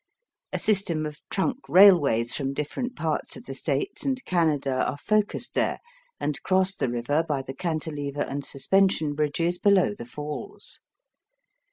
A system of trunk railways from different parts of the States and Canada are focussed there, and cross the river by the Cantilever and Suspension bridges below the Falls.